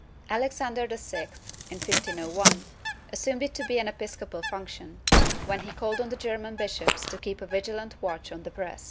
^ Alexander VI, in 1501, assumed it to be an episcopal function, when he called on the German bishops to keep a vigilant watch on the press.